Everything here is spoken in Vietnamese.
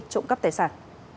trụ cấp tài sản